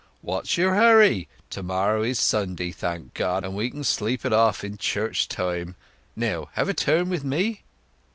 "What's yer hurry? To morrow is Sunday, thank God, and we can sleep it off in church time. Now, have a turn with me?"